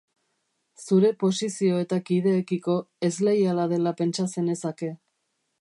Zure posizio eta kideekiko ez leiala dela pentsa zenezake.